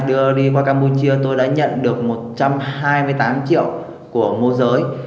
đưa đi qua campuchia tôi đã nhận được một trăm hai mươi tám triệu của môi giới